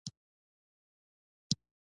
کله مؤلف خپل مأخذ نه يي ښولى.